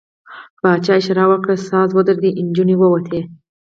پاچا اشاره وکړه، ساز ودرېد، نجونې ووتې.